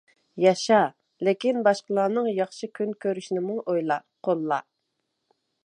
ياشا، لېكىن باشقىلارنىڭ ياخشى كۈن كۆرۈشىنىمۇ ئويلا، قوللا.